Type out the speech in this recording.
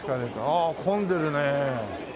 ああ混んでるね。